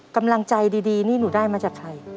กำลังใจดีนี่หนูได้มาจากใคร